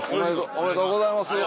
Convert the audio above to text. ありがとうございます。